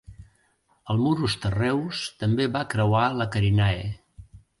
El Murus Terreus també va creuar la Carinae.